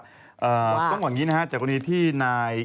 ต้องบอกอย่างนี้นะฮะจากกรณีที่นาย